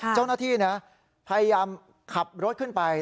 เจ้าหน้าที่นะพยายามขับรถขึ้นไป